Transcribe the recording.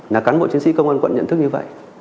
là cán bộ chiến sĩ công an quận nhận thức như vậy